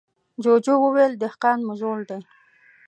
جوجو وويل: دهقان مو زوړ دی.